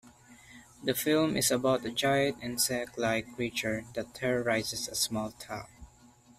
The film is about a giant insect-like creature that terrorizes a small town.